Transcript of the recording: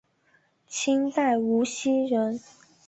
清代无锡人。